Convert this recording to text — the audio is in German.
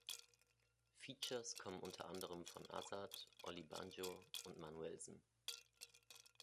Features kommen unter anderem von Azad, Olli Banjo und Manuellsen.